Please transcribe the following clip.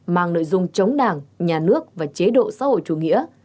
mang nội dung chống đảng nhà nước và chế độ xã hội chủ nghĩa